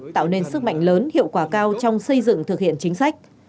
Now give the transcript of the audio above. tạo nên sức mạnh lớn hiệu quả cao trong xây dựng thực hiện chính sách